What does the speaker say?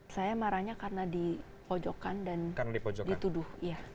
saya marahnya karena dipojokkan dan dituduh